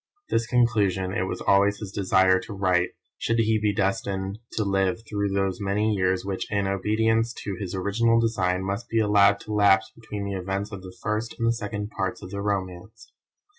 This conclusion it was always his desire to write should he be destined to live through those many years which, in obedience to his original design, must be allowed to lapse between the events of the first and second parts of the romance.